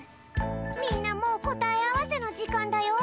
みんなもうこたえあわせのじかんだよ。